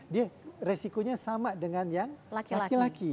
dia resikonya sama dengan yang laki laki